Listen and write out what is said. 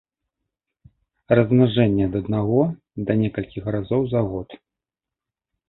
Размнажэнне ад аднаго да некалькіх разоў за год.